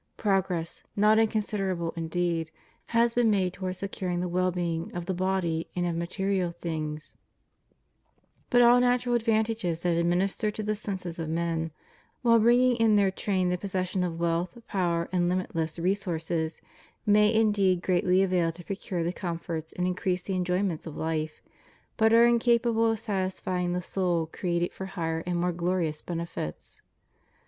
Progress, not inconsiderable indeed, has been made towards securing the well being of the body and of material things; but all natural advantages that administer to the senses of man, while bringing in their train the possession of wealth, power, and limitless resources may indeed greatly avail to procure the comforts and increase the enjoyments of life, but are incapable of sat isf3dng the soul created for higher and more glorious bene fits.